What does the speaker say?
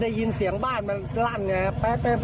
ได้ยินเสียงบ้านมันลั่นไง